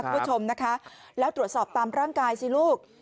คุณผู้ชมนะคะแล้วตรวจสอบตามร่างกายสิลูก